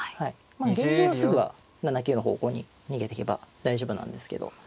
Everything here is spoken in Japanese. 現状はすぐは７九の方向に逃げてけば大丈夫なんですけど。